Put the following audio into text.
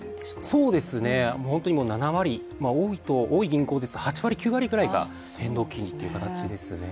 そうですね、７割、多い銀行ですと８割、９割ぐらいが変動金利という形ですね。